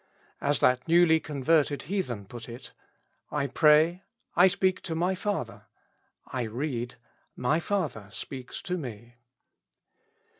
As that newly converted heathen put it : I pray — I speak to my father ; I read — my Father speaks to me.